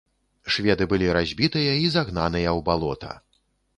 Шведы былі разбітыя і загнаныя ў балота.